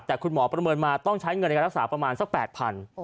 แต่คุณหมอประเมินมาต้องใช้เงินในการรักษาประมาณสัก๘๐๐บาท